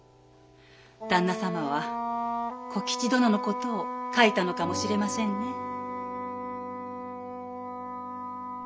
旦那様は小吉殿のことを書いたのかもしれませんね。